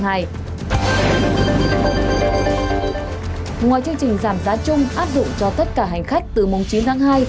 ngoài chương trình giảm giá chung áp dụng cho tất cả hành khách từ mùng chín tháng hai